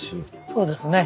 そうですね。